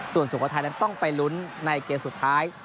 ส่วนสุโขทัยนั้นต้องไปลุ้นในเกมสุดท้าย